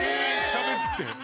しゃべって？